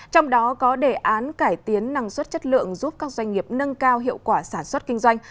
trong đó có đề án cải tiến năng suất chất lượng giúp các doanh nghiệp nâng cao hiệu quả sản xuất kinh doanh